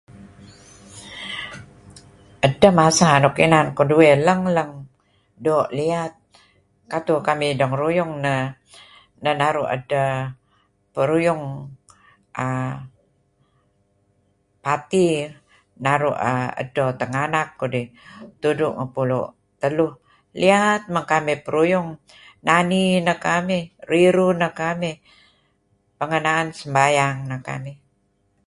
Edtah masa keduih nuk leng-leng doo' liyat katu kamih dengeruyung neh naru' edtah peruyung err party naru' err edto tinganak kudih tudu' ngepulu' teluh. Liyat men kamih peruyung, nani neh kamih, riruh neh kamih, pengah na'en sembahyang neh kamih.